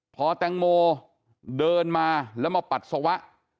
พอแตงโมเดินมาแล้วมาปัสสาวะ